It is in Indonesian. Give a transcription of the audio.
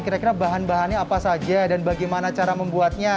kira kira bahan bahannya apa saja dan bagaimana cara membuatnya